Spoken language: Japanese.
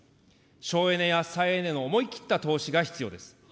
省エネや再エネへの思い切った投資が必要です。